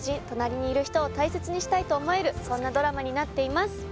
隣にいる人を大切にしたいと思えるそんなドラマになっています